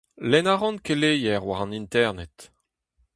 Lenn a ran keleier war an internet.